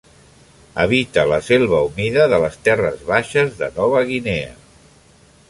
Habita la selva humida de les terres baixes de Nova Guinea.